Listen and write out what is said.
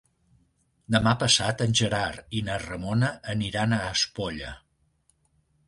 Demà passat en Gerard i na Ramona aniran a Espolla.